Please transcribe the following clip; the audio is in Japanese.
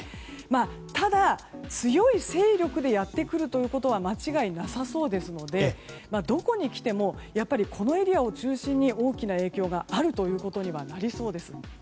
ただ、強い勢力でやってくるということは間違いなさそうですのでどこに来てもこのエリアを中心に大きな影響があるということにはなりそうです。